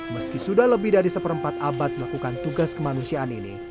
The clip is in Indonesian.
meski sudah lebih dari seperempat abad melakukan tugas kemanusiaan ini